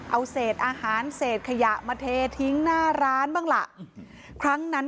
เอาเศษอาหารเศษขยะมาเททิ้งหน้าร้านบ้างล่ะ